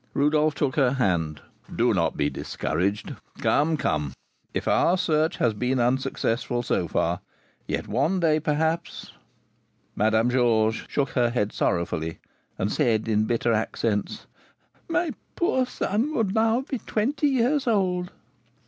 Rodolph took her hand. "Do not be discouraged; come, come, if our search has been unsuccessful so far, yet one day, perhaps " Madame Georges shook her head sorrowfully, and said, in bitter accents, "My poor son would be now twenty years old!"